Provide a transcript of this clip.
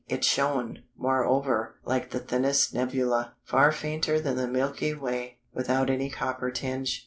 It shone, moreover, like the thinnest nebula, far fainter than the Milky Way, without any copper tinge.